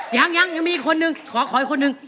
ยังยังมีอีกคนนึงขออีกคนนึง